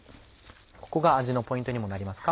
ここが味のポイントにもなりますか？